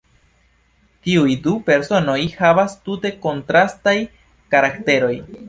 Tiuj du personoj havas tute kontrastaj karakteroj.